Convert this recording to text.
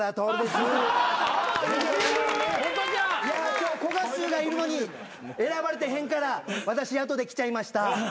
今日古賀シュウがいるのに選ばれてへんから私後で来ちゃいました。